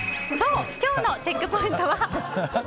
そう、今日のチェックポイントは。